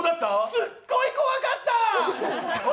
すっごい怖かった。